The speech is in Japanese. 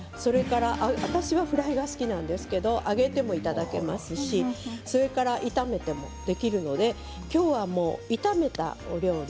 私はフライが好きなんですけど揚げてもいただけますし炒めてもいけるのできょうは炒めたお料理